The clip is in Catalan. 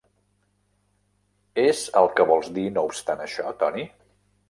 És el que vols dir no obstant això, Toni?